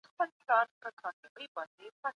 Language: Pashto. لوستې مور د کورنۍ د روغتيا له پاره هڅه کوي.